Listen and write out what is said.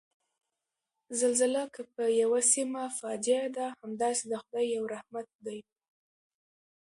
زلزله که په یوه سیمه فاجعه ده، همداسې د خدای یو رحمت دی